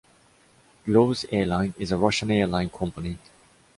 Globus Airlines is a Russian airline company.